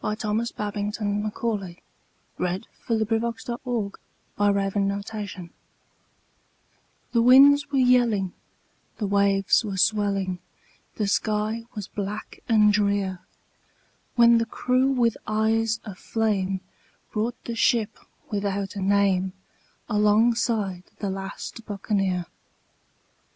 Thomas Babbington Macaulay The Last Buccaneer THE winds were yelling, the waves were swelling, The sky was black and drear, When the crew with eyes of flame brought the ship without a name Alongside the last Buccaneer.